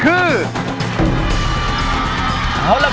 ขีดเอาไว้ว่าเธอไม่รอ